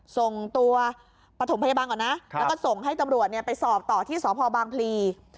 ส่งตัวปฐมพยาบาลก่อนนะแล้วก็ส่งให้ตำรวจไปสอบต่อที่สพบางพลี